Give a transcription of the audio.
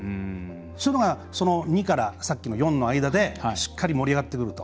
そういうのがさっきの２から４の間でしっかり盛り上がってくると。